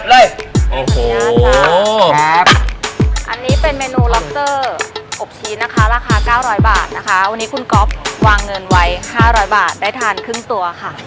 วันนี้คุณก๊อฟวางเงินไว้๕๐๐บาทได้ทานครึ่งตัวค่ะ